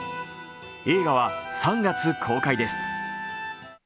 映画は３月公開です。